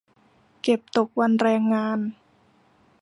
เก็บตกวันแรงงาน